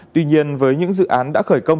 tuy nhiên với những dự án đã khởi công